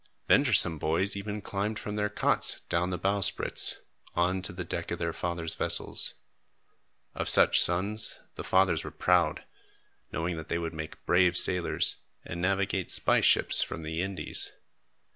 Venturesome boys even climbed from their cots down the bowsprits, on to the deck of their fathers' vessels. Of such sons, the fathers were proud, knowing that they would make brave sailors and navigate spice ships from the Indies.